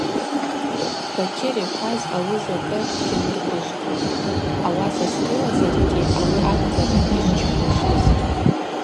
Бакьыр йхӏваз ауи закӏы дгьамыргвыжвкӏтӏ, ауаса: – Сгылазаргьи ауи акӏвзарын йшвчпушыз.